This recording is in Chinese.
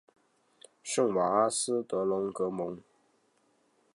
圣瓦阿斯德隆格蒙。